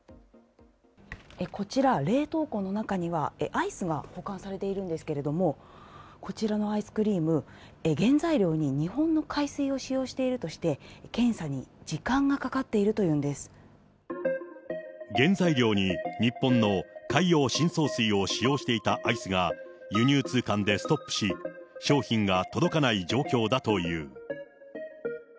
こちら、冷凍庫の中にはアイスが保管されているんですけれども、こちらのアイスクリーム、原材料に日本の海水を使用しているとして、検査に時間がかかって原材料に日本の海洋深層水を使用していたアイスが輸入通関でストップし、商品が届かない状況だという。